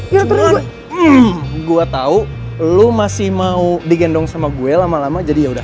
gak bener gue tau lo masih mau digendong sama gue lama lama jadi yaudah